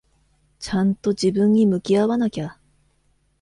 ちゃんと自分に向き合わなきゃ。